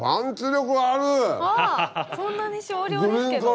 そんなに少量ですけど。